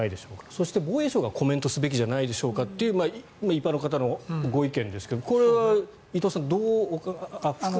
そして、防衛省がコメントすべきじゃないでしょうかという一般の方のご意見ですけどこれは伊藤さん。